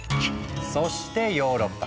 そしてヨーロッパ。